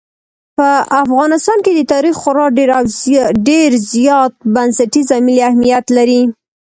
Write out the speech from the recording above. په افغانستان کې تاریخ خورا ډېر او ډېر زیات بنسټیز او ملي اهمیت لري.